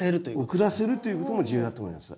遅らせるということも重要だと思います。